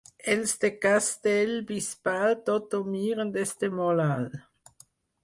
Els de Castellbisbal tot ho miren des de molt alt.